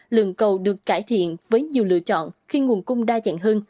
lượng cầu được cải thiện với nhiều lựa chọn khi nguồn cung đa dạng hơn